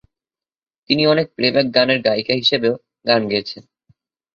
তিনি অনেক প্লেব্যাক গানের গায়িকা হিসেবেও গান গেয়েছেন।